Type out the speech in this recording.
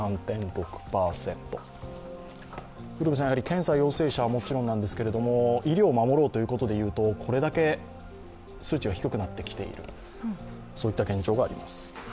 検査陽性者はもちろんなですけれども、医療を守ろうということでいうとこれだけ数値が低くなってきている現状があります。